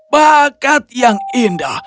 bakat yang indah